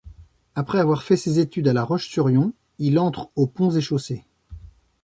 Après avoir fait ses études à La Roche-sur-Yon, il entre aux Ponts et Chaussées.